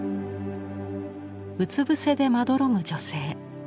うつ伏せでまどろむ女性。